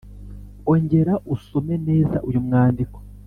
ongera usome neza uyu mwandiko